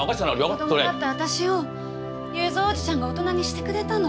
子どもだった私を雄三おじちゃんが大人にしてくれたの。